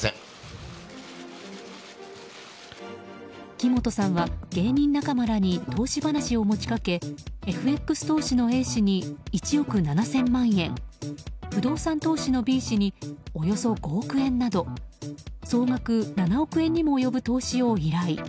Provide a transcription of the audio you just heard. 木本さんは芸人仲間らに投資話を持ち掛けＦＸ投資のＡ氏に１億７０００万円不動産投資のＢ氏におよそ５億円など総額７億円にも及ぶ投資を依頼。